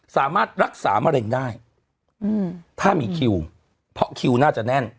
สามารถรักษามะเร็งได้ถ้ามีคิวเพราะคิวน่าจะแน่น